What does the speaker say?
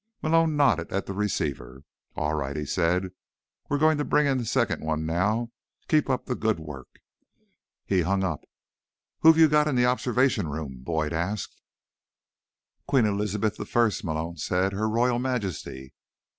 Malone nodded at the receiver. "All right," he said. "We're going to bring in the second one now. Keep up the good work." He hung up. "Who've you got in the observation room?" Boyd asked. "Queen Elizabeth I," Malone said. "Her Royal Majesty."